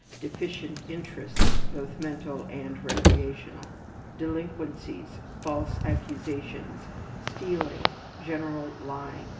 Deficient interests: Both mental and recreational. Delinquencies: Mentality: False accusations. Good ability. Stealing. General lying.